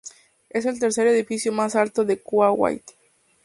Es el tercer edificio más alto de Kuwait.